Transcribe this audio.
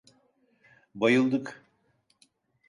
Bayıldık.